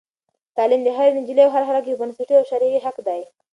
تعلیم د هرې نجلۍ او هر هلک یو بنسټیز او شرعي حق دی.